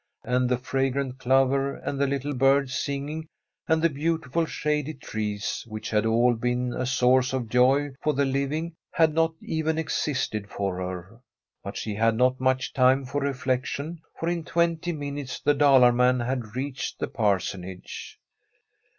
And the fragrant clover and the little birds singing and the beauti ful shady trees, which had all been a source of joy for the living, had not even existed for her. But she had not much time for reflection, for in twenty minutes the Dalar man had reached the Parsonage.